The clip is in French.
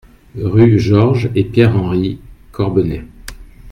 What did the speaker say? Rue Georges et Pierre Henry, Corbenay